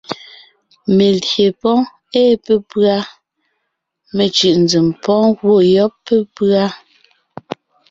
Melyè pɔ́ɔn ée pépʉ́a, mencʉ̀ʼ nzèm pɔ́ɔn gwɔ̂ yɔ́b pépʉ́a.